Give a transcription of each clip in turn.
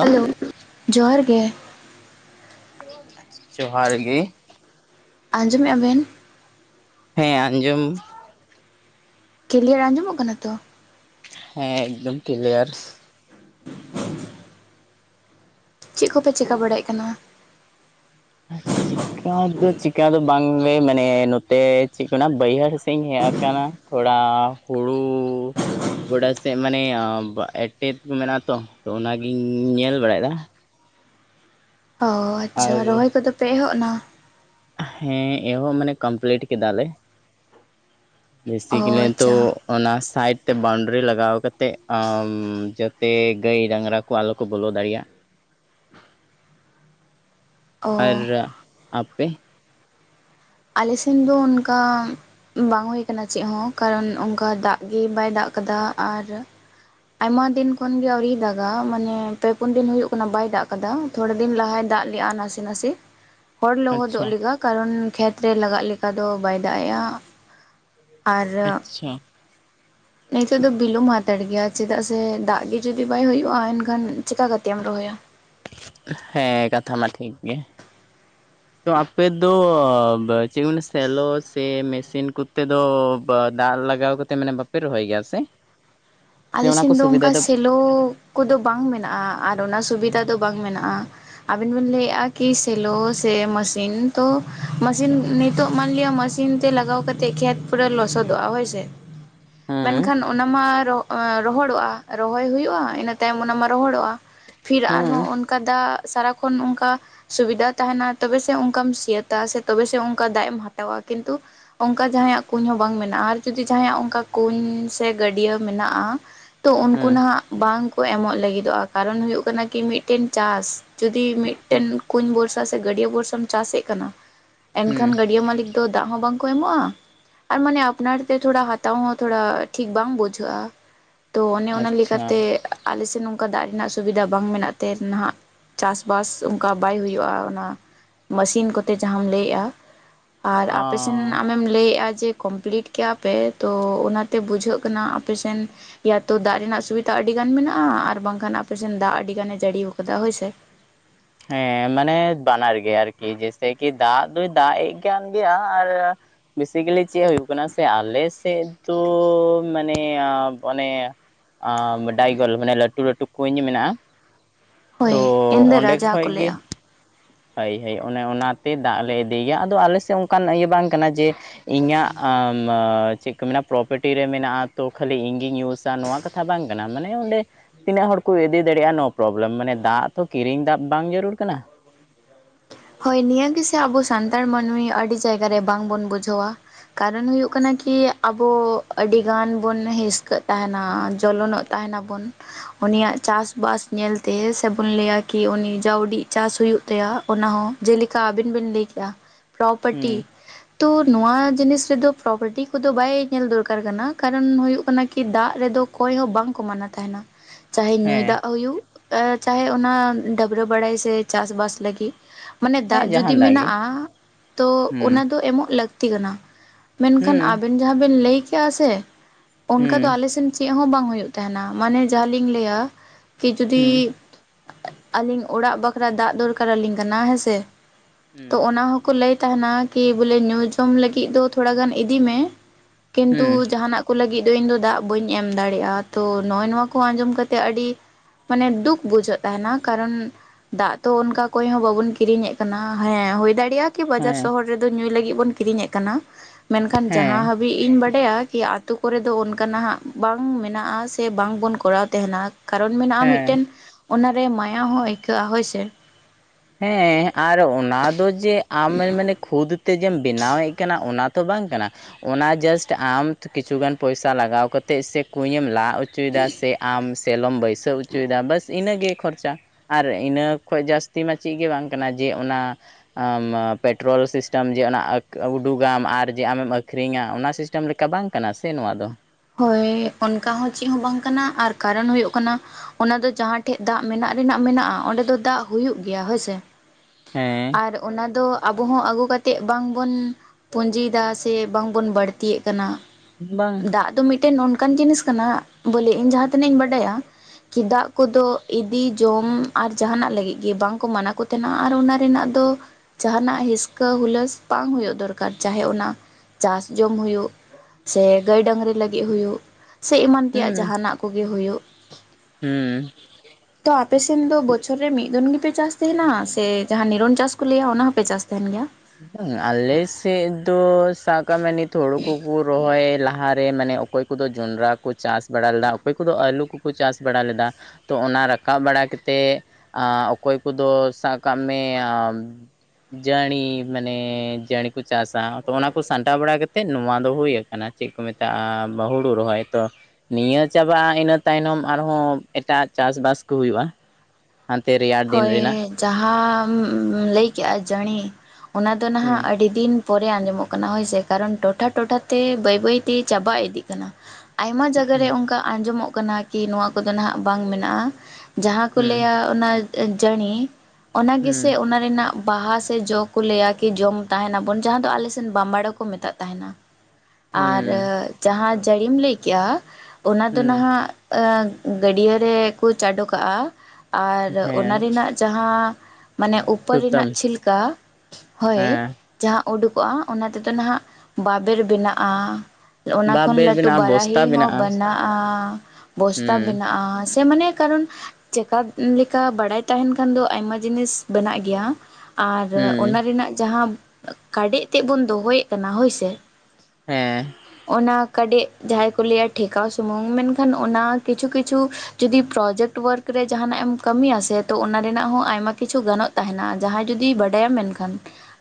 Hello ᱡᱚᱦᱟᱨ ᱜᱮ ᱡᱚᱦᱟᱨ ᱜᱮ ᱟᱸᱡᱚᱢᱮᱫᱼᱟ ᱵᱤᱱ ᱦᱮᱸ ᱟᱸᱡᱚᱢ ᱠᱞᱤᱭᱟᱨ ᱟᱸᱡᱚᱢᱚᱜ ᱠᱟᱱᱟ ᱛᱚ ᱦᱮᱸ ᱮᱠᱫᱚᱢ ᱠᱞᱤᱭᱟᱨ ᱪᱮᱫ ᱠᱚᱯᱮ ᱪᱮᱠᱟ ᱵᱟᱲᱟᱭᱮᱫ ᱠᱟᱱᱟ ᱟᱪᱪᱷᱟ [unintelligible] ᱮᱠᱟ ᱫᱚ ᱪᱮᱠᱟ ᱫᱚ ᱵᱟᱝᱜᱮ ᱢᱟᱱᱮ ᱱᱚᱛᱮ ᱪᱮᱫ ᱠᱟᱱᱟ ᱵᱟᱹᱭᱦᱟᱹᱲ ᱥᱮᱫ ᱤᱧ ᱦᱮᱡ ᱟᱠᱟᱱᱟ ᱛᱷᱚᱲᱟ ᱦᱩᱲᱩ ᱜᱚᱰᱟ ᱥᱮᱫ ᱢᱟᱱᱮ ᱮᱴᱮᱫ ᱠᱚ ᱢᱮᱱᱟᱜᱼᱟ ᱛᱚ ᱛᱚ ᱚᱱᱟᱜᱮᱧ ᱧᱮᱞ ᱵᱟᱲᱟᱭᱮᱫᱟ ᱚ ᱟᱨ ᱟᱪᱪᱷᱟ ᱨᱚᱦᱚᱭ ᱠᱚᱫᱚ ᱯᱮ ᱮᱦᱚᱵ ᱮᱱᱟ ᱦᱮᱸ ᱮᱦᱚᱸ ᱢᱟᱱᱮ ᱠᱚᱢᱯᱞᱤᱴ ᱠᱮᱫᱟᱞᱮ ᱚ ᱵᱮᱥᱤᱠᱞᱟ ᱛᱚ ᱟᱪᱪᱷᱟ ᱚᱱᱟ ᱥᱟᱭᱤᱰ ᱛᱮ ᱵᱟᱣᱩᱱᱰᱨᱤ ᱞᱟᱜᱟᱣ ᱠᱟᱛᱮᱫ ᱡᱟᱛᱮ ᱜᱟᱹᱭ ᱰᱟᱝᱨᱟ ᱠᱚ ᱟᱞᱚ ᱠᱚ ᱵᱚᱞᱚ ᱫᱟᱲᱮᱭᱟᱜ ᱚ ᱟᱨ ᱟᱯᱮ ᱟᱞᱮ ᱥᱮᱱ ᱫᱚ ᱚᱱᱠᱟ ᱵᱟᱝ ᱦᱩᱭ ᱟᱠᱟᱱᱟ ᱪᱮᱫ ᱦᱚᱸ ᱠᱟᱨᱚᱱ ᱚᱱᱠᱟ ᱫᱟᱜ ᱜᱮ ᱵᱟᱭ ᱫᱟᱜ ᱟᱠᱟᱫᱟ ᱟᱨ ᱟᱭᱢᱟ ᱫᱤᱱ ᱠᱷᱚᱱ ᱜᱮ ᱟᱣᱨᱤᱭ ᱫᱟᱜᱟ ᱢᱟᱱᱮ ᱯᱮ ᱯᱩᱱ ᱫᱤᱱ ᱦᱳᱭ ᱠᱟᱱᱟ ᱵᱟᱭ ᱫᱟᱜ ᱟᱠᱟᱫᱟ ᱛᱷᱚᱲᱮ ᱫᱤᱱ ᱞᱟᱦᱟᱭ ᱫᱟᱜ ᱞᱮᱫᱜᱼᱟ ᱱᱟᱥᱮ ᱱᱟᱥᱮ ᱦᱚᱲ ᱟᱪᱪᱷᱟ ᱞᱚᱦᱚᱫᱚᱜ ᱞᱮᱠᱟ ᱞᱮᱠᱟ ᱠᱟᱨᱚᱱ ᱠᱷᱮᱛᱨᱮ ᱞᱟᱜᱟᱜ ᱞᱮᱠᱟ ᱫᱚ ᱵᱟᱭ ᱫᱟᱜ ᱮᱼᱟ ᱟᱨ ᱟᱪᱪᱷᱟ ᱱᱤᱛᱚᱜ ᱫᱚ ᱵᱤᱞᱚᱢ ᱦᱟᱛᱟᱲ ᱜᱮᱭᱟ ᱪᱮᱫᱟᱜ ᱥᱮ ᱫᱟᱜ ᱜᱮ ᱡᱩᱫᱤ ᱵᱟᱭ ᱦᱩᱭᱩᱜᱼᱟ ᱮᱱᱠᱷᱟᱱ ᱪᱮᱠᱟ ᱠᱟᱛᱮᱢ ᱨᱚᱦᱚᱭᱟ ᱦᱮᱸ ᱠᱟᱛᱷᱟ ᱢᱟ ᱴᱷᱤᱠ ᱜᱮ [unintelligible] ᱛᱚ ᱟᱯᱮᱫ ᱫᱚ ᱪᱮᱫ ᱢᱮ ᱥᱮᱞᱚ ᱥᱮ ᱢᱮᱥᱤᱱ ᱠᱚᱛᱮ ᱫᱚ ᱫᱟᱜ ᱞᱟᱜᱟᱣ ᱠᱟᱛᱮᱼᱼ ᱛᱮ ᱢᱟᱱᱮ ᱵᱟᱯᱮ ᱨᱚᱦᱚᱭ ᱜᱮᱭᱟ ᱥᱮ [unintelligible] ᱥᱮ ᱟᱞᱮ ᱚᱱᱟ ᱥᱮᱱ ᱠᱚ ᱫᱚ ᱥᱩᱵᱤᱫᱷᱟ ᱚᱱᱠᱟ ᱥᱮᱞᱚ ᱠᱚᱫᱚ ᱵᱟᱝ ᱢᱮᱱᱟᱜᱼᱟ ᱟᱨ ᱚᱱᱟ ᱥᱩᱵᱤᱫᱷᱟ ᱫᱚ ᱵᱟᱝ ᱢᱮᱱᱟᱜᱼᱟ ᱟᱹᱵᱤᱱ ᱵᱤᱱ ᱞᱟᱹᱭᱮᱫᱼᱟ ᱠᱤ ᱥᱮᱞᱚ ᱥᱮ ᱢᱮᱥᱤᱱ ᱛᱚ ᱢᱮᱥᱤᱱ ᱱᱤᱛ ᱱᱤᱛᱚᱜ ᱢᱟᱱᱞᱤᱭᱟ ᱢᱮᱥᱤᱱ ᱛᱮ ᱞᱟᱜᱟᱣ ᱠᱟᱛᱮᱫ ᱠᱷᱮᱛ ᱯᱩᱨᱟᱹ ᱞᱚᱥᱚᱫᱚᱜᱼᱟ ᱦᱳᱭᱥᱮ ᱦᱮᱸ ᱢᱮᱱᱠᱷᱟᱱ ᱚᱱᱟ ᱢᱟ ᱨᱚᱼ ᱨᱚᱦᱚᱲᱚᱜᱼᱟ ᱨᱚᱦᱚᱭ ᱦᱩᱭᱩᱜᱼᱟ ᱤᱱᱟᱹ ᱛᱟᱭᱚᱢ ᱚᱱᱟ ᱢᱟ ᱨᱚᱦᱚᱲᱚᱜᱼᱟ ᱯᱷᱤᱨ ᱦᱮᱸ ᱟᱨᱦᱚᱸ ᱩᱱ ᱠᱟᱫᱟ ᱥᱟᱨᱟᱠᱷᱚᱱ ᱚᱱᱠᱟ ᱥᱩᱵᱤᱫᱷᱟ ᱛᱟᱦᱮᱸᱱᱟ ᱛᱚᱵᱮ ᱥᱮ ᱚᱱᱠᱟᱢ ᱥᱤᱭᱟᱹᱛᱟ ᱥᱮ ᱛᱚᱵᱮ ᱥᱮ ᱚᱱᱠᱟ ᱫᱟᱜ ᱮᱢ ᱦᱟᱛᱟᱣᱟ ᱠᱤᱱᱛᱩ ᱚᱱᱠᱟ ᱡᱟᱦᱟᱸᱭᱟᱜ ᱠᱩᱧ ᱦᱚᱸ ᱵᱟᱝ ᱢᱮᱱᱟᱜᱼᱟ ᱟᱨ ᱡᱩᱫᱤ ᱡᱟᱦᱟᱸᱭᱟᱜ ᱚᱱᱠᱟ ᱠᱩᱧ ᱥᱮ ᱜᱟᱹᱰᱭᱟᱹ ᱢᱮᱱᱟᱜᱼᱟ ᱟ ᱛᱚ ᱩᱱᱠᱩ ᱦᱮᱸ ᱱᱟᱦᱟᱜ ᱵᱟᱝ ᱠᱚ ᱮᱢᱚᱜ ᱞᱟᱹᱜᱤᱫᱚᱜᱼᱟ ᱠᱟᱨᱚᱱ ᱦᱩᱭᱩᱜ ᱠᱟᱱᱟ ᱠᱤ ᱢᱤᱫᱴᱮᱱ ᱪᱟᱥ ᱡᱩᱫᱤ ᱢᱤᱫᱴᱮᱱ ᱠᱩᱧ ᱵᱷᱚᱨᱥᱟ ᱥᱮ ᱜᱟᱹᱰᱭᱟᱹ ᱵᱷᱚᱨᱥᱟᱢ ᱪᱟᱥᱮᱫ ᱠᱟᱱᱟ ᱦᱮᱸ ᱮᱱᱠᱷᱟᱱ ᱜᱟᱹᱰᱭᱟᱹ ᱢᱟᱹᱞᱤᱠ ᱛᱚ ᱫᱟᱜ ᱦᱚᱸ ᱵᱟᱝᱠᱚ ᱮᱢᱚᱜᱼᱟ ᱟᱨ ᱢᱟᱱᱮ ᱟᱯᱱᱟᱨ ᱛᱮ ᱛᱷᱚᱲᱟ ᱦᱟᱛᱟᱣ ᱦᱚᱸ ᱛᱷᱚᱲᱟ ᱴᱷᱤᱠ ᱵᱟᱝ ᱵᱩᱡᱷᱟᱹᱜᱼᱟ ᱛᱚ ᱚᱱᱮ ᱚᱱᱟ ᱟᱪᱪᱷᱟ ᱞᱮᱠᱟᱛᱮ ᱟᱞᱮᱥᱮᱫ ᱚᱱᱠᱟ ᱫᱟᱜ ᱨᱮᱱᱟᱜ ᱥᱩᱵᱤᱫᱷᱟ ᱵᱟᱝ ᱢᱮᱱᱟᱜ ᱛᱮ ᱦᱟᱜ ᱪᱟᱥᱼᱵᱟᱥ ᱚᱱᱠᱟ ᱵᱟᱭ ᱦᱩᱭᱩᱜᱼᱟ ᱚᱱᱟ ᱢᱮᱥᱤᱱ ᱠᱚᱛᱮ ᱡᱟᱦᱟᱸᱢ ᱞᱟᱹᱭᱮᱜᱼᱟ ᱟᱨ ᱚ ᱟᱯᱮᱥᱮᱱ ᱟᱢᱮᱢ ᱞᱟᱹᱭᱮᱫᱼᱟ ᱡᱮ ᱠᱚᱢᱯᱞᱤᱴ ᱠᱮᱜᱼᱟ ᱯᱮ ᱛᱚ ᱚᱱᱟᱛᱮ ᱵᱩᱡᱷᱟᱹᱜ ᱠᱟᱱᱟ ᱟᱯᱮ ᱥᱮᱱ ᱤᱭᱟᱛᱚ ᱫᱟᱜ ᱨᱮᱱᱟᱜ ᱥᱩᱵᱤᱫᱷᱟ ᱟᱹᱰᱤ ᱜᱟᱱ ᱢᱮᱱᱟᱜᱼᱟ ᱟᱨ ᱵᱟᱝᱠᱷᱟᱱ ᱟᱯᱮᱥᱮᱱ ᱫᱟᱜ ᱟᱹᱰᱤ ᱜᱟᱱᱮ ᱡᱟᱹᱲᱤ ᱟᱠᱟᱫᱟ ᱦᱳᱭᱥᱮ ᱦᱮᱸ ᱢᱟᱱᱮ ᱵᱟᱱᱟᱨ ᱜᱮ ᱟᱨᱠᱤ ᱡᱮᱭᱥᱮ ᱠᱤ ᱫᱟᱜ ᱫᱚ ᱫᱟᱜ ᱮ ᱠᱟᱱ ᱜᱮᱭᱟ ᱟᱨ ᱵᱮᱥᱤᱠᱮᱞᱤ ᱪᱮᱫ ᱦᱩᱭᱩᱜ ᱠᱟᱱᱟ ᱥᱮ ᱟᱞᱮ ᱥᱮᱫ ᱫᱚ ᱢᱟᱱᱮ ᱚᱱᱮ ᱰᱟᱭᱜᱚᱞ ᱢᱟᱱᱮ ᱞᱟᱹᱴᱩ ᱞᱟᱹᱴᱩ ᱠᱩᱧ ᱢᱮᱱᱟᱜᱼᱟ ᱛᱚ ᱦᱳᱭ ᱮᱱᱫᱚ ᱚᱸᱰᱮ ᱨᱟᱡᱟ ᱠᱷᱚᱡ ᱠᱚ ᱜᱮ ᱞᱟᱹᱭᱼᱟ ᱦᱳᱭ ᱦᱳᱭ ᱚᱱᱮ ᱚᱱᱟᱛᱮ ᱫᱟᱜ ᱞᱮ ᱤᱫᱤᱭ ᱜᱮᱭᱟ ᱟᱫᱚ ᱟᱞᱮ ᱥᱮᱫ ᱚᱱᱠᱟᱱ ᱤᱭᱟᱹ ᱵᱟᱝ ᱠᱟᱱᱟ ᱡᱮ ᱤᱧᱟᱹᱜ ᱪᱮᱫ ᱠᱚ ᱢᱮ ᱯᱨᱚᱯᱟᱨᱴᱤ ᱨᱮ ᱢᱮᱱᱟᱜᱼᱟ ᱛᱚ ᱠᱷᱟᱹᱞᱤ ᱤᱧᱜᱤᱧ ᱤᱭᱩᱥᱟ ᱱᱚᱣᱟ ᱠᱟᱛᱷᱟ ᱵᱟᱝ ᱠᱟᱱᱟ ᱢᱟᱱᱮ ᱚᱸᱰᱮ ᱛᱤᱱᱟᱹᱜ ᱦᱚᱲ ᱠᱚ ᱤᱫᱤ ᱫᱟᱲᱮᱭᱟᱜᱼᱟ ᱱᱳ ᱯᱨᱚᱵᱽᱞᱮᱢ ᱢᱟᱱᱮ ᱫᱟᱜ ᱛᱚ ᱠᱤᱨᱤᱧ ᱫᱟᱜ ᱵᱟᱝ ᱧᱩᱨᱩᱱ ᱠᱟᱱᱟ ᱦᱳᱭ ᱱᱤᱭᱟᱹ ᱜᱮᱥᱮ ᱟᱵᱚ ᱥᱟᱱᱛᱟᱲ ᱢᱟᱹᱱᱢᱤ ᱟᱹᱰᱤ ᱡᱟᱭᱜᱟ ᱨᱮ ᱵᱟᱝ ᱵᱚᱱ ᱵᱩᱡᱷᱟᱹᱣᱟ ᱠᱟᱨᱚᱱ ᱦᱩᱭᱩᱜ ᱠᱟᱱᱟ ᱠᱤ ᱟᱵᱚ ᱟᱹᱰᱤᱜᱟᱱ ᱵᱚᱱ ᱦᱤᱥᱠᱟᱹᱜ ᱛᱟᱦᱮᱱᱟ ᱡᱚᱞᱚᱱᱚᱜ ᱛᱟᱦᱮᱱᱟᱵᱚᱱ ᱩᱱᱤᱭᱟᱜ ᱪᱟᱥ ᱵᱟᱥ ᱧᱮᱞᱛᱮ ᱥᱮᱵᱚᱱ ᱞᱟᱹᱭᱟ ᱠᱤ ᱩᱱᱤ ᱡᱟᱣ ᱩᱰᱤᱜ ᱪᱟᱥ ᱦᱳᱭᱳᱜ ᱛᱟᱭᱟ ᱚᱱᱟᱦᱚᱸ ᱡᱮᱞᱮᱠᱟ ᱟᱵᱤᱱ ᱵᱤᱱ ᱞᱟᱹᱭ ᱠᱮᱫ-ᱟ ᱯᱨᱳᱯᱟᱨᱴᱤ ᱦᱩᱸ ᱛᱚ ᱱᱚᱣᱟ ᱡᱤᱱᱤᱥ ᱨᱮᱫᱚ ᱯᱨᱯᱟᱨᱴᱤ ᱠᱚᱫᱚ ᱵᱟᱭ ᱧᱮᱞ ᱫᱚᱨᱠᱟᱨ ᱠᱟᱱᱟ ᱠᱟᱨᱚᱱ ᱦᱳᱭᱳᱜ ᱠᱟᱱᱟ ᱠᱤ ᱫᱟᱜ ᱨᱮᱫᱚ ᱚᱠᱚᱭ ᱦᱚᱸ ᱵᱟᱝᱠᱚ ᱢᱟᱱᱟ ᱛᱟᱦᱮᱸᱱᱟ ᱪᱟᱦᱮ ᱧᱩᱭ ᱦᱮᱸ ᱫᱟᱜ ᱦᱩᱭᱩᱜ ᱪᱟᱦᱮ ᱚᱱᱟ ᱰᱟᱹᱵᱽᱨᱟᱹ ᱵᱟᱲᱟᱭ ᱥᱮ ᱪᱟᱥᱵᱟᱥ ᱞᱟᱹᱜᱤᱫ ᱢᱟᱱᱮ ᱫᱟᱜ ᱦᱮᱸ ᱡᱩᱫᱤ ᱡᱟᱦᱟᱱ ᱫᱟᱜ ᱜᱮ ᱢᱮᱱᱟᱜᱼᱟ ᱛᱚ ᱦᱩᱸ ᱚᱱᱟ ᱫᱚ ᱮᱢᱚᱜ ᱞᱟᱹᱠᱛᱤ ᱠᱟᱱᱟ ᱢᱮᱱᱠᱷᱟᱱ ᱦᱩᱸ ᱟᱵᱮᱱ ᱡᱟᱦᱟᱸ ᱵᱮᱱ ᱞᱟᱹᱭ ᱠᱮᱜᱼᱟ ᱥᱮ ᱚᱱᱠᱟ ᱫᱚ ᱦᱩᱸ ᱟᱞᱮ ᱥᱮᱱ ᱪᱮᱫ ᱦᱚᱸ ᱵᱟᱝ ᱦᱩᱭᱩᱜ ᱛᱟᱦᱮᱱᱟ ᱢᱟᱱᱮ ᱡᱟᱦᱟᱸ ᱞᱤᱧ ᱞᱟᱹᱭᱟ ᱠᱤ ᱡᱩᱫᱤ ᱦᱩᱸ ᱟᱹᱞᱤᱧ ᱚᱲᱟᱜ ᱵᱟᱠᱷᱨᱟ ᱫᱟᱜ ᱫᱚᱨᱠᱟᱨ ᱟᱞᱤᱧ ᱠᱟᱱᱟ ᱦᱮᱸᱥᱮ ᱛᱚ ᱦᱩᱸ ᱚᱱᱟ ᱦᱚᱸ ᱠᱚ ᱞᱟᱹᱭ ᱛᱟᱦᱮᱱᱟ ᱠᱤ ᱵᱚᱞᱮ ᱧᱩ ᱡᱚᱢ ᱞᱟᱹᱜᱤᱫ ᱫᱚ ᱛᱷᱚᱲᱟ ᱜᱟᱱ ᱤᱫᱤ ᱢᱮ ᱠᱤᱱᱛᱩ ᱦᱩᱸ ᱡᱟᱦᱟᱱᱟᱜ ᱱᱩᱠᱩ ᱞᱟᱹᱜᱤᱫ ᱫᱚ ᱤᱧ ᱫᱚ ᱫᱟᱜ ᱵᱟᱹᱧ ᱮᱢ ᱫᱟᱲᱮᱭᱟᱜᱼᱟ ᱛᱚ ᱱᱚᱜᱼᱚᱭ ᱱᱚᱣᱟ ᱠᱚ ᱟᱸᱡᱚᱢ ᱠᱟᱛᱮ ᱟᱹᱰᱤ ᱢᱟᱱᱮ ᱫᱩᱠ ᱵᱩᱡᱷᱟᱹᱜ ᱛᱟᱦᱮᱱᱟ ᱠᱟᱨᱚᱱ ᱫᱟᱜ ᱛᱚ ᱚᱱᱠᱟ ᱠᱚᱭ ᱦᱚᱸ ᱵᱟᱵᱚᱱ ᱠᱤᱨᱤᱧᱮᱫ ᱠᱟᱱᱟ ᱦᱮᱸ ᱦᱩᱭ ᱫᱟᱲᱮᱭᱟᱜᱼᱟ ᱠᱤ ᱵᱟᱡᱟᱨ ᱦᱮᱸ ᱥᱚᱦᱚᱨ ᱨᱮᱫᱚ ᱧᱩᱭ ᱞᱟᱹᱜᱤᱫ ᱵᱚᱱ ᱠᱤᱨᱤᱧᱮᱫ ᱠᱟᱱᱟ ᱢᱮᱱᱠᱷᱟᱱ ᱡᱟᱦᱟᱸ ᱦᱮᱸ ᱦᱟᱹᱵᱤᱡ [unintelligible] ᱤᱧ ᱵᱟᱰᱟᱭᱟ ᱠᱤ ᱟᱛᱳ ᱠᱚᱨᱮ ᱫᱚ ᱚᱱᱠᱟᱱᱟᱜ ᱦᱟᱸᱜ ᱵᱟᱝ ᱢᱮᱱᱟᱜᱼᱟ ᱥᱮ ᱵᱟᱝ ᱵᱚᱱ ᱠᱚᱨᱟᱣ ᱛᱟᱦᱮᱸᱱᱟ ᱠᱟᱨᱚᱱ ᱢᱮᱱᱟᱜᱼᱟ ᱦᱮᱸ ᱢᱤᱫᱴᱮᱱ ᱚᱱᱟᱨᱮ ᱢᱟᱭᱟ ᱦᱚᱸ ᱟᱹᱭᱠᱟᱹᱜᱼᱟ ᱦᱳᱭ ᱥᱮ ᱦᱮᱸ ᱟᱨ ᱚᱱᱟ ᱫᱚ ᱡᱮ ᱟᱢᱮ ᱢᱟᱱᱮ ᱠᱷᱩᱫ ᱛᱮ ᱡᱮᱢ ᱵᱮᱱᱟᱣᱮᱫ ᱠᱟᱱᱟ ᱚᱱᱟ ᱛᱚ ᱵᱟᱝ ᱠᱟᱱᱟ ᱚᱱᱟ ᱡᱟᱥᱴ ᱟᱢ ᱠᱤᱪᱷᱩᱜᱟᱱ ᱯᱚᱭᱥᱟ ᱞᱟᱜᱟᱣ ᱠᱟᱛᱮᱫ ᱥᱮ ᱠᱩᱧ ᱮᱢ ᱞᱟᱪᱚ ᱚᱪᱚᱭᱮᱫᱟ ᱥᱮ ᱟᱢ ᱥᱮᱞᱚᱢ ᱵᱟᱹᱭᱥᱟᱹᱣ ᱚᱪᱚᱭᱮᱫᱟ ᱵᱟᱥ ᱤᱱᱟᱹᱜᱮ ᱠᱷᱚᱨᱪᱟ ᱟᱨ ᱤᱱᱟᱹ ᱠᱷᱚᱡᱽ ᱡᱟᱹᱥᱛᱤ ᱞᱟᱹᱛᱤ ᱢᱟ ᱪᱮᱫ ᱜᱮ ᱵᱟᱝ ᱠᱟᱱᱟ ᱡᱮ ᱚᱱᱟ ᱟᱢ ᱯᱮᱴᱨᱳᱞ ᱥᱤᱥᱴᱮᱢ ᱡᱮ ᱚᱱᱟ ᱩᱰᱩᱠᱟᱢ ᱟᱨ ᱡᱮ ᱟᱢᱮᱢ ᱟᱹᱠᱷᱨᱤᱧᱟ ᱚᱱᱟ ᱥᱤᱥᱴᱮᱢ ᱥᱤᱥᱴᱚᱢ ᱞᱮᱠᱟ ᱵᱟᱝ ᱠᱟᱱᱟ ᱥᱮ ᱱᱚᱣᱟ ᱫᱚ ᱦᱳᱭ ᱚᱱᱠᱟ ᱦᱚᱸ ᱪᱮᱫ ᱦᱚᱸ ᱵᱟᱝ ᱠᱟᱱᱟ ᱟᱨ ᱠᱟᱨᱚᱱ ᱦᱩᱭᱩᱜ ᱠᱟᱱᱟ ᱚᱱᱟ ᱫᱚ ᱡᱟᱦᱟᱸᱭ ᱴᱷᱮᱡ ᱫᱟᱜ ᱢᱮᱱᱟᱜ ᱨᱮᱱᱟᱜ ᱢᱮᱱᱟᱜᱼᱟ ᱚᱸᱰᱮ ᱫᱚ ᱫᱟᱜ ᱦᱩᱭᱩᱜ ᱜᱮᱭᱟ ᱦᱳᱭᱥᱮ ᱦᱮᱸ ᱟᱨ ᱚᱱᱟ ᱫᱚ ᱟᱵᱚ ᱦᱚᱸ ᱟᱹᱜᱩ ᱠᱟᱛᱮᱫ ᱵᱟᱝᱵᱚᱱᱼᱼ ᱯᱩᱸᱡᱤᱭᱮᱫᱟ ᱥᱮ ᱵᱟᱝᱵᱳᱱ ᱵᱟᱹᱲᱛᱤᱭᱮᱫ ᱠᱟᱱᱟ ᱵᱟᱝ ᱫᱟᱜ ᱫᱚ ᱢᱤᱫᱴᱮᱱ ᱱᱚᱱᱠᱟᱱ ᱡᱤᱱᱤᱥ ᱠᱟᱱᱟ ᱵᱚᱞᱮ ᱤᱧ ᱡᱟᱦᱟᱸ ᱛᱤᱱᱟᱹᱜ ᱤᱧ ᱵᱟᱰᱟᱭᱟ ᱠᱤ ᱫᱟᱜ ᱠᱚᱫᱚ ᱤᱫᱤ ᱡᱚᱢ ᱟᱨ ᱡᱟᱦᱟᱱᱟᱜ ᱞᱟᱹᱜᱤᱫ ᱜᱮ ᱵᱟᱝᱠᱚ ᱢᱟᱱᱟ ᱠᱚ ᱛᱟᱦᱮᱱᱟ ᱟᱨ ᱚᱱᱟ ᱨᱮᱱᱟᱜ ᱫᱚ ᱡᱟᱦᱟᱱᱟᱜ ᱦᱤᱥᱠᱟᱹ ᱦᱩᱞᱟᱹᱥ ᱵᱟᱝ ᱦᱩᱭᱩᱜ ᱫᱚᱨᱠᱟᱨ ᱪᱟᱦᱮ ᱚᱱᱟ ᱪᱟᱥ ᱡᱚᱝ ᱦᱩᱭᱩᱜ ᱥᱮ ᱜᱟᱹᱭ ᱰᱟᱝᱜᱽᱨᱤ ᱞᱟᱹᱜᱤᱫ ᱦᱩᱭᱩᱜ ᱥᱮ ᱮᱢᱟᱱ ᱛᱮᱭᱟᱜ ᱡᱟᱦᱟᱸᱱᱟᱜ ᱠᱚᱜᱮ ᱦᱩᱭᱩᱜ ᱦᱮᱸ ᱛᱚ ᱟᱯᱮ ᱥᱮᱱ ᱫᱚ ᱵᱚᱪᱷᱚᱨ ᱨᱮ ᱢᱤᱫ ᱫᱚᱱ ᱜᱮᱯᱮ ᱪᱟᱥ ᱛᱟᱦᱮᱱᱟ ᱥᱮ ᱡᱟᱦᱟᱸ ᱱᱤᱨᱚᱱ ᱪᱟᱥ ᱠᱚ ᱞᱟᱹᱭᱟ ᱚᱱᱟ ᱦᱚᱸᱯᱮ ᱪᱟᱥ ᱛᱟᱦᱮᱱ ᱜᱮᱭᱟ [unintelligible] ᱟᱞᱮ ᱥᱮᱫ ᱫᱚ ᱥᱟᱜᱠᱟᱢᱮ ᱱᱤᱛᱚ ᱦᱩᱲᱩ ᱠᱚᱠᱚ ᱨᱚᱦᱚᱭ ᱞᱟᱦᱟ ᱨᱮ ᱢᱟᱱᱮ ᱚᱠᱚᱭ ᱠᱚᱫᱚ ᱡᱚᱸᱰᱨᱟ ᱠᱚ ᱪᱟᱥ ᱵᱟᱲᱟ ᱞᱮᱫᱟ ᱚᱠᱚᱭ ᱠᱚᱫᱚ ᱟᱹᱞᱩ ᱠᱚᱠᱚ ᱪᱟᱥ ᱵᱟᱲᱟ ᱞᱮᱫᱟ ᱛᱚ ᱚᱱᱟ ᱨᱟᱠᱟᱵ ᱵᱟᱲᱟ ᱠᱟᱛᱮᱫ ᱟᱸ ᱚᱠᱚᱭ ᱠᱚᱫᱚ ᱥᱟᱵ ᱠᱟᱜ ᱢᱮ ᱡᱟᱹᱬᱤᱸ ᱢᱟᱱᱮ ᱡᱟᱹᱬᱤ ᱠᱚ ᱪᱟᱥᱟᱜ ᱚᱱᱟᱠᱚ ᱥᱟᱢᱴᱟᱣ ᱵᱟᱲᱟ ᱠᱟᱛᱮᱫ ᱱᱚᱣᱟ ᱫᱚ ᱦᱩᱭᱩ ᱟᱠᱟᱱᱟ ᱪᱮᱫ ᱠᱚ ᱢᱮᱛᱟᱜᱼᱟ ᱦᱩᱲᱩ ᱨᱚᱦᱚᱭ ᱛᱚ ᱱᱤᱭᱟᱹ ᱪᱟᱵᱟᱜᱼᱟ ᱤᱱᱟᱹ ᱛᱟᱭᱱᱚᱢ ᱟᱨᱦᱚᱸ ᱮᱴᱟᱜ ᱪᱟᱥ ᱵᱟᱥ ᱠᱚ ᱦᱩᱭᱩᱜᱼᱟ ᱦᱟᱛᱮ [unintelligible] ᱨᱮᱭᱟᱜ ᱦᱳᱭ ᱡᱟᱦᱟᱸᱢ ᱞᱟᱹᱭ ᱠᱮᱜᱼᱟ ᱡᱟᱹᱬᱤᱸ ᱚᱱᱟ ᱫᱚ ᱦᱩᱸ ᱱᱟᱦᱟᱜ ᱟᱹᱰᱤ ᱫᱤᱱ ᱯᱚᱨᱮ ᱟᱸᱡᱚᱢᱚᱜ ᱠᱟᱱᱟ ᱦᱳᱭᱥᱮ ᱠᱟᱨᱚᱱ ᱴᱚᱴᱷᱟ ᱴᱚᱴᱷᱟᱛᱮ ᱵᱟᱹᱭ ᱵᱟᱹᱭᱛᱮ ᱪᱟᱵᱟ ᱤᱫᱤ ᱠᱟᱱᱟ ᱟᱭᱢᱟ ᱡᱟᱭᱜᱟ ᱨᱮ ᱦᱩᱸ ᱚᱱᱠᱟ ᱟᱸᱡᱚᱢᱚᱜ ᱠᱟᱱᱟ ᱠᱤ ᱱᱚᱣᱟ ᱠᱚᱫᱚ ᱱᱟᱦᱟᱜ ᱵᱟᱝ ᱢᱮᱱᱟᱜᱼᱟ ᱡᱟᱦᱟᱸ ᱠᱚ ᱦᱩᱸ ᱞᱟᱹᱭᱟ ᱚᱱᱟ ᱡᱟᱹᱬᱤᱸ ᱚᱱᱟ ᱜᱮ ᱦᱩᱸ ᱥᱮ ᱚᱱᱟ ᱨᱮᱱᱟᱜ ᱵᱟᱦᱟ ᱥᱮ ᱡᱚ ᱠᱚ ᱞᱟᱹᱭᱟ ᱠᱤ ᱡᱚᱢ ᱛᱟᱦᱮᱱᱟ ᱟᱵᱚᱱ ᱡᱟᱦᱟᱸ ᱫᱚ ᱟᱞᱮ ᱥᱮᱱ ᱵᱟᱢᱵᱮᱲᱮ ᱠᱚ ᱢᱮᱛᱟᱜ ᱛᱟᱦᱮᱱᱟ ᱟᱨ ᱦᱩᱸ ᱡᱟᱦᱟᱸ ᱡᱟᱹᱲᱤᱢ ᱞᱟᱹᱭ ᱠᱮᱜᱼᱟ ᱚᱱᱟ ᱫᱚ ᱦᱩᱸ ᱱᱟᱦᱟᱜ ᱟ ᱜᱟᱹᱰᱭᱟᱹ ᱨᱮᱠᱩ ᱪᱟᱰᱳ ᱠᱟᱜᱼᱟ ᱟᱨ ᱚᱱᱟ ᱦᱮᱸ ᱨᱮᱱᱟᱜ ᱡᱟᱦᱟᱸ ᱢᱟᱱᱮ ᱩᱯᱟᱹᱨ ᱥᱩᱛᱟᱹᱢ ᱨᱮᱱᱟᱜ ᱪᱷᱤᱞᱠᱟ ᱦᱳᱭ ᱦᱮᱸ ᱡᱟᱦᱟᱸ ᱩᱰᱩᱜᱚᱜᱼᱟ ᱚᱱᱟ ᱛᱮᱫᱚ ᱱᱟᱦᱟᱸᱜ ᱵᱟᱵᱮᱨ ᱵᱮᱱᱟᱜᱼᱟ ᱚᱱᱟ ᱵᱟᱵ ᱠᱷᱚᱱ ᱵᱮᱨ ᱞᱟᱹᱴᱩ ᱵᱮᱱᱟᱜᱼᱟ ᱵᱟᱨᱟᱦᱤ ᱵᱚᱥᱛᱟ ᱦᱚᱸ ᱵᱮᱱᱟᱜᱼᱟ ᱵᱟᱱᱟᱜ ᱟᱸ ᱵᱚᱥᱛᱟ ᱦᱩᱸ ᱵᱮᱱᱟᱜᱼᱟ ᱥᱮ ᱢᱟᱱᱮ ᱠᱟᱨᱚᱱ ᱪᱮᱠᱟᱯ ᱞᱮᱠᱟ ᱠᱟ ᱵᱟᱲᱟᱭ ᱛᱟᱦᱮᱱ ᱠᱷᱟᱱ ᱫᱚ ᱟᱭᱢᱟ ᱡᱤᱱᱤᱥ ᱵᱮᱱᱟᱜ ᱜᱮᱭᱟ ᱟᱨ ᱚᱱᱟ ᱦᱩᱸ ᱨᱮᱱᱟᱜ ᱡᱟᱦᱟᱸ ᱠᱟᱰᱮᱡ ᱛᱮᱫ ᱵᱚᱱ ᱫᱚᱦᱚᱭᱮᱫ ᱠᱟᱱᱟ ᱦᱳᱭ ᱥᱮ ᱦᱮᱸ ᱚᱱᱟ ᱠᱟᱰᱤᱡ ᱡᱟᱦᱟᱸᱭ ᱠᱚ ᱞᱟᱹᱭᱟ ᱴᱷᱮᱠᱟᱣ ᱥᱩᱢᱩᱝ ᱢᱮᱱᱠᱷᱟᱱ ᱚᱱᱟ ᱠᱤᱪᱷᱩ ᱠᱤᱪᱷᱩ ᱡᱩᱫᱤ ᱯᱚᱨᱚᱡᱮᱴ ᱳᱣᱨᱠ ᱨᱮ ᱡᱟᱦᱟᱱᱟᱜ ᱮᱢ ᱠᱟᱹᱢᱤᱭᱟ ᱥᱮ ᱛᱚ ᱚᱱᱟ ᱨᱮᱱᱟᱜ ᱦᱚᱸ ᱟᱭᱢᱟ ᱠᱤᱪᱷᱩ ᱜᱟᱱᱚᱜ ᱛᱟᱦᱮᱱᱟ ᱡᱟᱦᱟᱸᱭ ᱡᱩᱫᱤ ᱵᱟᱰᱟᱭᱟ ᱢᱮᱱᱠᱷᱟᱱ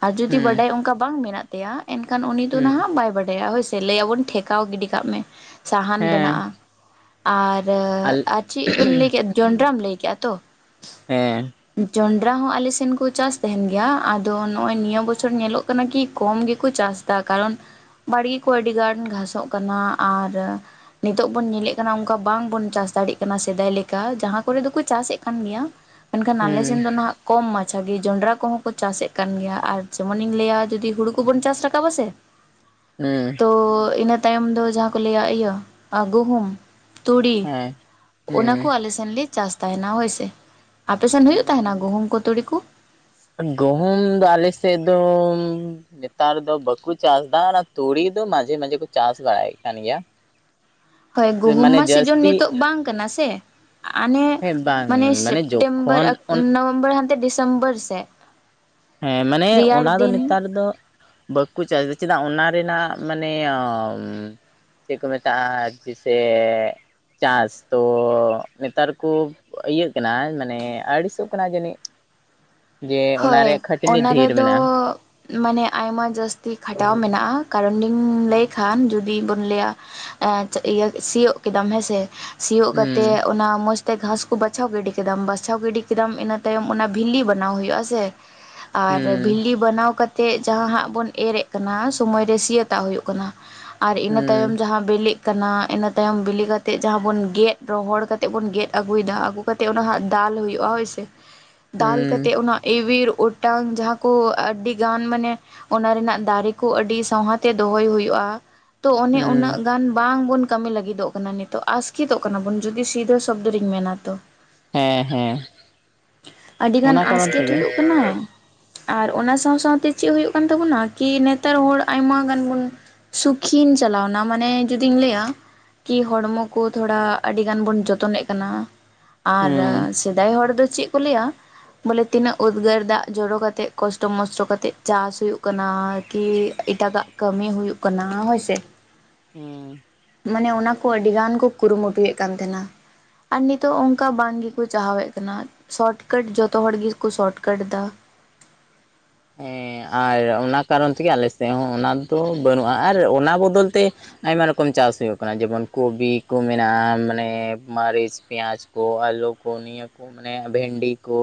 ᱟᱨ ᱡᱩᱫᱤ ᱦᱩᱸ ᱵᱟᱰᱟᱭ ᱚᱱᱠᱟ ᱵᱟᱝ ᱢᱮᱱᱟᱜ ᱛᱟᱭᱟ ᱮᱱᱠᱷᱟᱱ ᱩᱱᱤ ᱫᱚ ᱦᱩᱸ ᱱᱟᱦᱟᱜ ᱵᱟᱭ ᱵᱟᱰᱟᱭᱟ ᱞᱟᱹᱭᱟᱵᱚᱱ ᱴᱷᱮᱠᱟᱣ ᱜᱤᱰᱤ ᱠᱟᱜ ᱢᱮ ᱥᱟᱦᱟᱱ ᱦᱮᱸ ᱵᱮᱱᱟᱜᱼᱟ ᱟᱨ ᱟᱞᱮ ᱟᱨ ᱪᱤᱜ ᱵᱮᱱ ᱞᱟᱹᱭ ᱠᱮᱫ ᱡᱚᱱᱰᱨᱟᱢ ᱞᱟᱹᱭ ᱠᱮᱜᱼᱟ ᱛᱚ ᱦᱮᱸ ᱡᱚᱱᱰᱨᱟ ᱦᱚᱸ ᱟᱞᱮᱥᱮᱱᱠᱚ ᱪᱟᱥ ᱛᱟᱦᱮᱱ ᱜᱮᱭᱟ ᱟᱫᱚ ᱱᱚᱜ ᱚᱭ ᱱᱤᱭᱟᱹ ᱵᱚᱪᱷᱚᱨ ᱧᱮᱞᱚᱜ ᱠᱟᱱᱟ ᱠᱤ ᱠᱚᱢ ᱜᱮᱠᱚ ᱪᱟᱥᱫᱟ ᱠᱟᱨᱚᱱ ᱵᱟᱲᱜᱮ ᱠᱚ ᱟᱹᱰᱤ ᱜᱟᱱ ᱜᱷᱟᱥᱚᱜ ᱠᱟᱱᱟ ᱟᱨ ᱱᱤᱛᱚᱜ ᱵᱳᱱ ᱧᱮᱞᱮᱫ ᱠᱟᱱᱟ ᱚᱱᱠᱟ ᱵᱟᱝ ᱵᱚᱱ ᱪᱟᱥ ᱫᱟᱲᱮᱭᱟᱜ ᱠᱟᱱᱟ ᱥᱮᱫᱟᱭ ᱞᱮᱠᱟ ᱡᱟᱦᱟᱸ ᱠᱚᱨᱮ ᱫᱚᱠᱚ ᱪᱟᱥ ᱮᱫ ᱠᱟᱱ ᱜᱮᱭᱟ ᱢᱮᱱᱠᱷᱟᱱ ᱟᱞᱮ ᱦᱩᱸ ᱥᱮᱱ ᱫᱚ ᱱᱟᱦᱟᱜ ᱠᱚᱢ ᱢᱟᱪᱷᱟ ᱜᱮ ᱡᱚᱱᱰᱨᱟ ᱠᱚᱦᱚᱸ ᱠᱚ ᱪᱟᱥ ᱮ ᱠᱟᱱ ᱜᱮᱭᱟ ᱟᱨ ᱡᱮᱢᱚᱱ ᱤᱧ ᱞᱟᱹᱭᱟ ᱡᱩᱫᱤ ᱦᱩᱲᱩ ᱠᱚᱵᱚᱱ ᱪᱟᱥ ᱨᱟᱠᱟᱵᱟ ᱥᱮ [inaudible] ᱦᱮᱸ ᱛᱚ ᱤᱱᱟᱹ ᱛᱟᱭᱚᱢ ᱫᱚ ᱡᱟᱦᱟᱸ ᱠᱚ ᱞᱟᱹᱭᱟ ᱤᱭᱟᱹ ᱜᱩᱦᱩᱢ ᱛᱩᱲᱤ ᱦᱮᱸ ᱚᱱᱟᱠᱚ ᱦᱩᱸ ᱟᱞᱮᱥᱮ ᱦᱮᱱᱞᱤ ᱪᱟᱥ ᱛᱟᱦᱮᱱᱟ ᱦᱳᱭ ᱥᱮ ᱟᱯᱮᱥᱱ ᱦᱩᱭᱩᱜ ᱛᱟᱦᱮᱱᱟ ᱜᱩᱦᱩᱢ ᱠᱚ ᱛᱩᱲᱤ ᱠᱩ ᱜᱚᱦᱩᱢ ᱫᱚ ᱟᱞᱮ ᱥᱮᱫ ᱫᱚᱢ ᱱᱮᱛᱟᱨ ᱫᱚ ᱵᱟᱠᱚ ᱪᱟᱥ ᱫᱟ ᱚᱱᱟ ᱛᱩᱲᱤ ᱫᱚ ᱢᱟᱡᱷᱮ ᱢᱟᱡᱷᱮ ᱠᱚ ᱪᱟᱥ ᱵᱟᱲᱟᱭᱮᱫ ᱠᱟᱱ ᱜᱮᱭᱟ ᱦᱳᱭ ᱜᱩᱦᱩᱢ ᱢᱟᱱᱮ ᱢᱟ ᱥᱤᱡᱚᱱ ᱡᱟᱹᱥᱛᱤ ᱱᱤᱛᱚᱜ ᱵᱟᱝ ᱠᱟᱱᱟ ᱥᱮ ᱚᱱᱮ ᱦᱮᱸ ᱵᱟᱝ ᱢᱟᱱᱮ ᱥᱮᱯᱴᱮᱢᱵᱚᱨ ᱡᱚᱠᱷᱚᱱ ᱚᱱᱟ ᱱᱚᱵᱷᱮᱢᱵᱚᱨ ᱦᱟᱱᱛᱮ ᱰᱤᱥᱮᱢᱵᱚᱨ ᱥᱮᱫ ᱦᱮᱸ ᱢᱟᱱᱮ ᱨᱮᱭᱟᱲ ᱚᱱᱟ ᱫᱚ ᱫᱤᱱ ᱱᱮᱛᱟᱨ ᱫᱚ ᱵᱟᱠᱚ ᱪᱟᱥᱫᱟ ᱪᱮᱫᱟᱜ ᱚᱱᱟ ᱨᱮᱱᱟᱜ ᱢᱟᱱᱮ ᱪᱮᱫ ᱠᱚ ᱢᱮᱛᱟᱜᱼᱟ ᱡᱮᱥᱮ ᱪᱟᱥ ᱛᱚ ᱱᱮᱛᱟᱨ ᱠᱚ ᱤᱭᱟᱹᱜ ᱠᱟᱱᱟᱭ ᱢᱟᱱᱮ ᱟᱹᱲᱤᱥᱚᱜ ᱠᱟᱱᱟᱭ ᱡᱟᱹᱱᱤᱡ [inaudible] ᱡᱮ ᱚᱱᱟ ᱦᱳᱭ ᱨᱮᱭᱟᱜ ᱠᱷᱟᱹᱴᱱᱤ ᱚᱱᱟ ᱰᱷᱮᱨ ᱨᱮᱫᱚ ᱢᱮᱱᱟᱜᱼᱟ ᱢᱟᱱᱮ ᱟᱭᱢᱟ ᱡᱟᱹᱥᱛᱤ ᱠᱷᱟᱴᱟᱣ ᱢᱮᱱᱟᱜᱼᱟ ᱠᱟᱨᱚᱱ ᱞᱤᱧ ᱦᱩᱸ ᱞᱟᱹᱭ ᱠᱷᱟᱱ ᱡᱩᱫᱤ ᱵᱚᱱ ᱞᱟᱹᱭᱟ ᱤᱭᱟᱹ ᱥᱤᱭᱳᱜ ᱠᱮᱫᱟᱢ ᱦᱮᱸᱥᱮ ᱥᱤᱭᱳᱜ ᱠᱟᱛᱮ ᱦᱩᱸ ᱚᱱᱟ ᱢᱚᱸᱡᱽ ᱜᱷᱟᱸᱥ ᱠᱚ ᱵᱟᱪᱷᱟᱣ ᱜᱤᱰᱤ ᱠᱮᱫᱟᱢ ᱵᱟᱪᱷᱟᱣ ᱜᱤᱰᱤ ᱠᱮᱫᱟᱢ ᱤᱱᱟᱹ ᱛᱟᱭᱚᱢ ᱚᱱᱟ ᱵᱷᱤᱞᱤ ᱵᱮᱱᱟᱣ ᱦᱩᱭᱩᱜᱼᱟᱥᱮ ᱟᱨ ᱦᱩᱸ ᱵᱷᱤᱞᱤ ᱵᱮᱱᱟᱣ ᱠᱟ ᱛᱮᱜ ᱡᱟᱦᱟᱸ ᱦᱟᱸᱜ ᱵᱚᱱ ᱮᱨᱮᱫ ᱠᱟᱱᱟ ᱥᱳᱢᱚᱭ ᱨᱮ ᱥᱤᱭᱟᱹᱛᱟᱜ ᱦᱩᱭᱩᱜ ᱠᱟᱱᱟ ᱟᱨ ᱤᱱᱟᱹ ᱛᱟᱭᱚᱢ ᱡᱟᱦᱟᱸ ᱵᱤᱞᱤᱜ ᱠᱟᱱᱟ ᱤᱱᱟᱹ ᱛᱟᱭᱚᱢ ᱵᱤᱞᱤ ᱠᱟᱛᱮᱮᱫ ᱡᱟᱦᱟᱸ ᱵᱚᱱ ᱜᱮᱫ ᱨᱚᱦᱚᱲ ᱠᱟᱛᱮᱮᱫ ᱵᱚᱱ ᱜᱮᱫ ᱟᱹᱜᱩᱭᱮᱫᱟ ᱟᱹᱜᱩ ᱠᱟᱛᱮ ᱚᱱᱟ ᱦᱟᱜ ᱫᱟᱞ ᱦᱩᱭᱩᱜᱼᱟ ᱦᱳᱭᱥᱮ ᱫᱟᱞ ᱠᱟᱛᱮ ᱦᱩᱸ ᱚᱱᱟ ᱤᱣᱤᱨ ᱚᱴᱟᱝ ᱡᱟᱦᱟᱸ ᱠᱚ ᱟᱹᱰᱤ ᱜᱟᱱ ᱢᱟᱱᱮ ᱚᱱᱟ ᱨᱮᱱᱟᱜ ᱫᱟᱨᱮ ᱠᱚ ᱟᱹᱰᱤ ᱥᱟᱣᱦᱟᱛᱮ ᱫᱚᱦᱚᱭ ᱦᱩᱭᱩᱜᱼᱟ ᱛᱚ ᱚᱱᱮ ᱦᱩᱸ ᱩᱱᱟᱹᱜ ᱜᱟᱱ ᱵᱟᱝᱵᱚᱱ ᱠᱟᱹᱢᱤ ᱞᱟᱹᱜᱤᱫᱚᱜ ᱠᱟᱱᱟ ᱱᱤᱛᱚᱜ ᱟᱥᱠᱤᱛᱚᱜ ᱠᱟᱱᱟ ᱵᱚᱱ ᱡᱩᱫᱤ ᱥᱤᱫᱟᱹ ᱥᱚᱵᱫᱚ ᱨᱤᱧ ᱢᱮᱱᱟ ᱛᱚ ᱦᱮᱸ ᱦᱮᱸ ᱟᱹᱰᱤᱜᱟᱱ ᱚᱱᱟ ᱠᱟᱨᱚᱱ ᱟᱥᱠᱮᱛ ᱛᱮᱜᱮ ᱦᱩᱭᱩᱜ ᱠᱟᱱᱟ ᱟᱨ ᱚᱱᱟ ᱥᱟᱶ ᱥᱟᱶᱛᱮ ᱪᱮᱫ ᱦᱩᱭᱩᱜ ᱠᱟᱱ ᱛᱟᱵᱳᱱᱟ ᱠᱤ ᱱᱮᱛᱟᱨ ᱦᱚᱲ ᱟᱭᱢᱟ ᱜᱟᱱ ᱵᱚᱱ ᱥᱩᱠᱷᱤᱧ ᱪᱟᱞᱟᱣᱱᱟ ᱢᱟᱱᱮ ᱡᱩᱫᱤᱧ ᱞᱟᱹᱭᱟ ᱠᱤ ᱦᱚᱲᱢᱚ ᱠᱚ ᱛᱷᱚᱲᱟ ᱟᱹᱰᱤ ᱜᱟᱱ ᱵᱚᱱ ᱡᱚᱛᱚᱱᱮᱫ ᱠᱟᱱᱟ ᱟᱨ ᱦᱩᱸ ᱥᱮᱫᱟᱭ ᱦᱚᱲ ᱫᱚ ᱪᱮᱫ ᱠᱚ ᱞᱟᱹᱭᱟ ᱵᱚᱞᱮ ᱛᱤᱱᱟᱹᱜ ᱩᱫᱽᱜᱟᱹᱨ ᱫᱟᱜ ᱡᱚᱨᱚ ᱠᱟᱛᱮᱮᱫ ᱠᱚᱥᱴᱚ ᱢᱚᱥᱴᱚ ᱠᱟ ᱠᱟᱛᱮᱮᱫ ᱪᱟᱥ ᱦᱩᱭᱩᱜ ᱠᱟᱱᱟ ᱠᱤ ᱮᱴᱟᱜᱟᱜ ᱠᱟᱹᱢᱤ ᱦᱩᱭᱩᱜ ᱠᱟᱱᱟ ᱦᱳᱭ ᱥᱮ ᱦᱩᱸ ᱢᱟᱱᱮ ᱚᱱᱟ ᱠᱚ ᱟᱹᱰᱤ ᱜᱟᱱ ᱠᱚ ᱠᱩᱨᱩᱢᱩᱴᱩᱭᱮᱫ ᱠᱟᱱ ᱛᱟᱦᱮᱱᱟ ᱟᱨ ᱱᱤᱛᱚᱜ ᱚᱱᱠᱟ ᱵᱟᱝ ᱜᱮᱠᱚ ᱪᱟᱦᱟᱣᱮᱫ ᱠᱟᱱᱟ ᱥᱚᱨᱚᱴ ᱠᱟᱴ ᱡᱚᱛᱚ ᱦᱚᱲ ᱜᱮᱠᱚ ᱥᱚᱨᱚᱴ ᱠᱟᱴ ᱮᱫᱟ ᱦᱮᱸ ᱟᱨ ᱚᱱᱟ ᱠᱟᱨᱚᱱ ᱛᱮᱜᱮ ᱟᱞᱮ ᱥᱮᱫ ᱦᱚᱸ ᱚᱱᱟ ᱫᱚ ᱵᱟᱹᱱᱩᱜᱼᱟ ᱟᱨ ᱚᱱᱟ ᱵᱚᱫᱚᱞ ᱛᱮ ᱟᱭᱢᱟ ᱨᱚᱠᱚᱢ ᱪᱟᱥ ᱦᱩᱭᱩᱜ ᱠᱟᱱᱟ ᱡᱮᱢᱚᱱ ᱠᱚᱵᱤ ᱠᱚ ᱢᱮᱱᱟᱜᱼᱟ ᱢᱟᱱᱮ ᱢᱟᱹᱨᱤᱪ ᱯᱮᱸᱭᱟᱡᱽ ᱠᱚ ᱟᱞᱳ ᱠᱚ ᱱᱤᱭᱟᱹ ᱠᱚ ᱢᱟᱱᱮ ᱵᱷᱮᱱᱰᱤ ᱠᱚ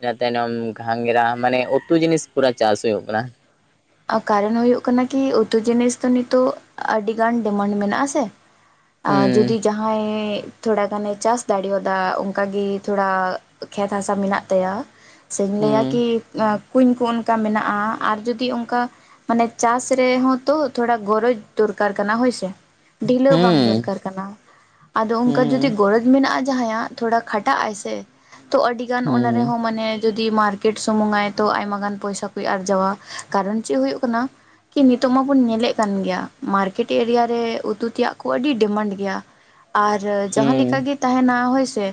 ᱤᱱᱟᱹ ᱛᱟᱭᱱᱚᱢ ᱜᱷᱟᱸᱜᱽᱨᱟ ᱢᱟᱱᱮ ᱩᱛᱩ ᱡᱤᱱᱤᱥ ᱯᱩᱨᱟ ᱪᱟᱥ ᱦᱩᱭᱩᱜ ᱠᱟᱱᱟ ᱠᱟᱨᱚᱱ ᱦᱳᱭ ᱠᱟᱱᱟ ᱠᱤ ᱩᱛᱩ ᱡᱤᱱᱤᱥ ᱫᱚ ᱱᱤᱛᱚᱜ ᱟᱹᱰᱤ ᱜᱟᱱ ᱰᱤᱢᱟᱱᱰ ᱢᱮᱱᱟᱜ ᱟᱥᱮ ᱮ ᱦᱩᱸ ᱡᱩᱫᱤ ᱡᱟᱦᱟᱸᱭ ᱛᱷᱚᱲᱟ ᱜᱟᱱᱮ ᱪᱟᱥ ᱫᱟᱲᱮᱣᱟᱫᱟ ᱚᱱᱠᱟ ᱜᱮ ᱛᱷᱚᱲᱟ ᱠᱷᱮᱛ ᱦᱟᱥᱟ ᱢᱮᱱᱟᱜ ᱛᱟᱭᱟ᱾ ᱥᱮᱧ ᱞᱟᱹᱭᱟ ᱦᱩᱸ ᱠᱤ ᱠᱩᱧ ᱠᱚ ᱚᱱᱠᱟ ᱢᱮᱱᱟᱜᱼᱟ ᱟᱨ ᱡᱩᱫᱤ ᱠᱟ ᱢᱟᱱᱮ ᱪᱟᱥ ᱨᱮᱦᱚᱸ ᱛᱚ ᱛᱷᱚᱲᱟ ᱜᱚᱨᱚᱡᱽ ᱫᱚᱨᱠᱟᱨ ᱠᱟᱱᱟ ᱦᱳᱭ ᱥᱮ ᱰᱷᱤᱞᱟᱹᱣ ᱵᱟᱝ ᱦᱩᱸ ᱫᱚᱨᱠᱟᱨ ᱠᱟᱱᱟ, ᱟᱫᱚ ᱚᱱᱠᱟ ᱡᱩᱫᱤ ᱦᱩᱸ ᱜᱚᱨᱚᱡᱽ ᱢᱮᱱᱟᱜᱼᱟ ᱡᱟᱦᱟᱸᱭᱟᱜ ᱛᱷᱚᱲᱟ ᱠᱷᱟᱴᱟᱜ ᱟᱭ ᱥᱮ ᱛᱚ ᱟᱹᱰᱤ ᱜᱟᱱ ᱚᱱᱟ ᱦᱩᱸ ᱨᱮᱦᱚᱸ ᱢᱟᱱᱮ ᱡᱚᱫᱤ ᱢᱟᱨᱠᱮᱴ ᱥᱩᱢᱩᱝ ᱟᱭ ᱛᱚ ᱟᱭᱢᱟ ᱜᱟᱱ ᱯᱚᱭᱥᱟ ᱠᱚᱭ ᱟᱨᱡᱟᱣᱟ ᱠᱟᱨᱚᱱ ᱪᱮᱫ ᱦᱩᱭᱩᱜ ᱠᱟᱱᱟ ᱠᱤ ᱱᱤᱛᱚᱜ ᱢᱟᱵᱚᱱ ᱧᱮᱞᱮᱫ ᱠᱟᱱ ᱜᱮᱭᱟ ᱢᱟᱨᱠᱮᱴ ᱮᱨᱤᱭᱟ ᱨᱮ ᱩᱛᱩ ᱛᱮᱭᱟᱜ ᱠᱚ ᱟᱹᱰᱤ ᱰᱤᱢᱟᱱᱰ ᱜᱮᱭᱟ ᱟᱨ ᱡᱟᱦᱟᱸ ᱞᱮᱠᱟ ᱦᱩᱸ ᱜᱮ ᱛᱟᱦᱮᱱᱟ ᱦᱳᱭ ᱥᱮ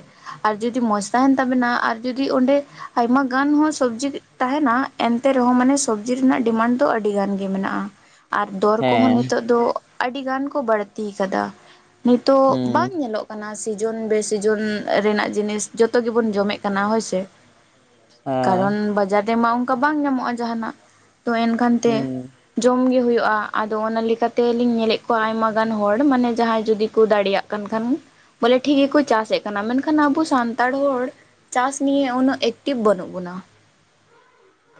ᱟᱨ ᱡᱩᱫᱤ ᱢᱚᱡᱽ ᱛᱟᱦᱮᱱ ᱛᱟᱵᱮᱱᱟ ᱟᱨ ᱡᱩᱫᱤ ᱚᱸᱰᱮ ᱟᱭᱢᱟ ᱜᱟᱱ ᱦᱚᱸ ᱥᱚᱵᱡᱤ ᱛᱟᱦᱮᱱᱟ ᱮᱱᱛᱮ ᱨᱮᱦᱚᱸ ᱢᱟᱱᱮ ᱥᱚᱵᱡᱤ ᱡᱤ ᱨᱮᱱᱟᱜ ᱰᱤᱢᱟᱱᱰ ᱫᱚ ᱟᱹᱰᱤ ᱜᱟᱱ ᱜᱮ ᱢᱮᱱᱟᱜᱼᱟ ᱟᱨ ᱫᱚᱨ ᱠᱚᱦᱚᱸ ᱦᱮᱸ ᱱᱤᱛᱚᱜ ᱫᱚ ᱟᱹᱰᱤ ᱜᱟᱱ ᱠᱚ ᱵᱟᱹᱲᱛᱤ ᱠᱟᱫᱟ ᱱᱤᱛᱚᱜ ᱵᱟᱝ ᱦᱩᱸ ᱧᱮᱞᱚᱜ ᱠᱟᱱᱟ ᱥᱤᱡᱚᱱ ᱵᱮ ᱥᱤᱡᱚᱱ ᱨᱮᱱᱟᱜ ᱡᱤᱱᱤᱥ ᱡᱚᱛᱚ ᱜᱮᱵᱚᱱ ᱡᱚᱢᱮᱜ ᱠᱟᱱᱟ ᱦᱳᱭ ᱥᱮ ᱠᱟᱨᱚᱱ ᱦᱮᱸ ᱵᱟᱡᱟᱨ ᱨᱮᱢᱟ ᱚᱱᱠᱟ ᱵᱟᱝ ᱧᱟᱢᱚᱜᱼᱟ ᱡᱟᱦᱟᱱᱟᱜ ᱛᱚ ᱮᱱᱠᱷᱟᱱ ᱛᱮ ᱦᱩᱸ ᱡᱚᱢ ᱜᱮ ᱦᱩᱭᱩᱜᱼᱟ ᱟᱫᱚ ᱚᱱᱟ ᱞᱮᱠᱟᱛᱮᱞᱤᱧ ᱧᱮᱞᱮᱫ ᱠᱚᱣᱟ ᱟᱭᱢᱟ ᱜᱟᱱ ᱦᱚᱲ ᱢᱟᱱᱮ ᱡᱟᱦᱟᱸᱭ ᱡᱩᱫᱤ ᱠᱚ ᱫᱟᱲᱮᱭᱟᱜ ᱠᱟᱱ ᱠᱷᱟᱱ ᱵᱚᱞᱮ ᱴᱷᱤᱠ ᱜᱮᱠᱚ ᱪᱟᱥᱮ ᱠᱟᱱᱟ ᱢᱮᱱᱠᱷᱟᱱ ᱟᱵᱚ ᱥᱟᱱᱛᱟᱲ ᱦᱚᱲ ᱪᱟᱥ ᱱᱤᱭᱟᱹ ᱩᱱᱟᱹᱜ ᱮᱠᱴᱤᱵᱷ ᱵᱟᱹᱱᱩᱜ ᱵᱚᱱᱟ᱾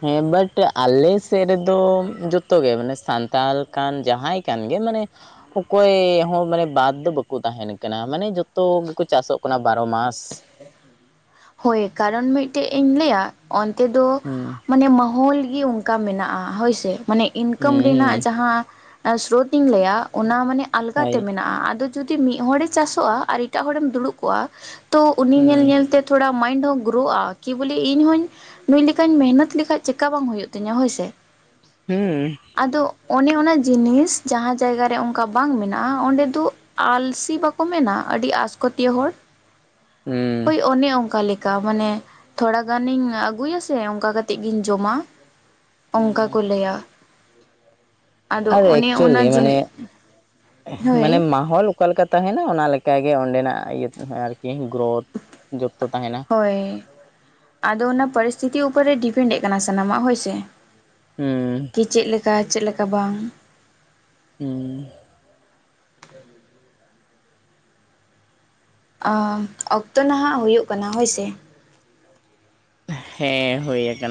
ᱦᱮᱸ, ᱵᱟᱴ ᱟᱞᱮ ᱥᱮᱫ ᱨᱮᱫᱚ ᱡᱚᱛᱚᱜᱮ ᱢᱟᱱᱮ ᱥᱟᱱᱛᱟᱲ ᱠᱟᱱ ᱡᱟᱦᱟᱸᱭ ᱠᱟᱱ ᱜᱮ ᱢᱟᱱᱮ ᱚᱠᱚᱭ ᱦᱚᱸ ᱢᱟᱱᱮ ᱵᱟᱫᱽ ᱫᱚ ᱵᱟᱠᱚ ᱛᱟᱦᱮᱱ ᱠᱟᱱᱟ ᱢᱟᱱᱮ ᱡᱚᱛᱚ ᱜᱮᱠᱚ ᱪᱟᱥᱚᱜ ᱠᱟᱱᱟ ᱵᱟᱨᱚ ᱢᱟᱥ᱾ ᱦᱳᱭ ᱠᱟᱨᱚᱱ ᱢᱤᱫᱴᱮᱡ ᱤᱧ ᱞᱟᱹᱭᱟ, ᱚᱱᱛᱮ ᱫᱚ ᱦᱩᱸ ᱢᱟᱱᱮ ᱢᱟᱦᱚᱞ ᱜᱮ ᱩᱼᱼ ᱠᱟ ᱢᱮᱱᱟᱜᱼᱟ ᱦᱳᱭᱥᱮ ᱢᱟᱱᱮ ᱤᱱᱠᱟᱢ ᱦᱩᱸ ᱦᱩᱸ ᱨᱮᱱᱟᱜ ᱡᱟᱦᱟᱸ ᱥᱨᱳᱛ ᱤᱧ ᱞᱟᱹᱭᱟ ᱚᱱᱟ ᱢᱟᱱᱮ ᱦᱳᱭ ᱟᱞᱜᱟᱛᱮ ᱢᱮᱱᱟᱜᱼᱟ ᱟᱫᱚ ᱡᱩᱫᱤ ᱢᱤᱫ ᱦᱚᱲᱮ ᱪᱟᱥᱚᱜᱼᱟ ᱟᱨ ᱮᱴᱟᱜ ᱦᱚᱲᱮᱢ ᱫᱩᱲᱩᱵ ᱠᱚᱜᱼᱟ ᱛᱚ ᱩᱱᱤ ᱧᱮᱞ ᱦᱩᱸ ᱧᱮᱞ ᱛᱮ ᱛᱷᱚᱲᱟ ᱢᱟᱭᱤᱱᱰ ᱦᱚᱸ ᱜᱳᱨᱳᱜᱼᱟ ᱠᱤ ᱵᱚᱞᱮ ᱤᱧ ᱦᱚᱧ ᱱᱩᱭ ᱞᱮᱠᱟᱧ ᱢᱮᱦᱚᱛ ᱞᱮᱠᱷᱟᱡ ᱪᱮᱠᱟ ᱵᱟᱝ ᱦᱩᱭᱩᱜ ᱛᱤᱧᱟᱹ ᱦᱳᱭ ᱥᱮ ᱦᱩᱸ ᱟᱫᱚ ᱚᱱᱮ ᱚᱱᱟ ᱡᱤᱱᱤᱥ ᱡᱟᱦᱟᱸ ᱡᱟᱭᱜᱟᱨ ᱨᱮ ᱚᱱᱠᱟ ᱵᱟᱝ ᱢᱮᱱᱟᱜᱼᱟ ᱚᱸᱰᱮ ᱫᱚ ᱟᱞᱥᱤ ᱵᱟᱠᱚ ᱢᱮᱱᱟ ᱟᱹᱰᱤ ᱟᱥᱠᱚᱛᱤᱭᱟᱹ ᱦᱚᱲ, ᱦᱩᱸ ᱦᱳᱭ ᱚᱱᱮ ᱚᱱᱠᱟ ᱞᱮᱠᱟ ᱢᱟᱱᱮ ᱛᱷᱚᱲᱟ ᱜᱟᱱᱤᱧ ᱟᱹᱜᱩᱭᱟ ᱥᱮ ᱚᱱᱠᱟ ᱠᱟᱛᱮᱜ ᱜᱤᱧ ᱡᱚᱢᱟ᱾ ᱦᱩᱸ ᱚᱱᱠᱟ ᱠᱚ ᱞᱟᱹᱭᱟ᱾ ᱟᱫᱚ ᱟᱨ ᱚᱱᱮ ᱚᱱᱟ ᱮᱠᱪᱚᱞᱤ ᱢᱟᱱᱮ, ᱡᱤᱱᱤᱥ ᱦᱳᱭ ᱢᱟᱱᱮ ᱢᱟᱦᱚᱞ ᱚᱠᱟᱞᱮᱠᱟ ᱛᱟᱦᱮᱱᱟ ᱚᱱᱟ ᱞᱮᱠᱟᱜᱮ ᱚᱸᱰᱮᱱᱟᱜ ᱤᱭᱟᱹ ᱟᱨᱠᱤ ᱜᱨᱳᱛᱷ ᱡᱚᱛᱚ ᱛᱟᱦᱮᱱᱟ ᱦᱳᱭ ᱟᱫᱚ ᱚᱱᱟ ᱯᱚᱨᱤᱥᱛᱷᱤᱛᱤ ᱩᱯᱚᱨᱮ ᱰᱤᱯᱮᱱᱰᱮᱜ ᱠᱟᱱᱟ ᱥᱟᱱᱟᱢᱟᱜ ᱦᱳᱭ ᱥᱮ ᱦᱩᱸ ᱠᱤ ᱪᱮᱫ ᱞᱮᱠᱟ ᱪᱮᱫ ᱞᱮᱠᱟ ᱵᱟᱝ ᱦᱩᱸ ᱟᱸ ᱚᱠᱛᱚ ᱱᱟᱦᱟᱜ ᱦᱩᱭᱩᱜ ᱠᱟᱱᱟ ᱦᱳᱭ ᱥᱮ ᱦᱮᱸ ᱦᱩᱭ ᱟᱠᱟᱱᱟ